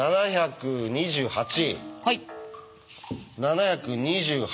７２８。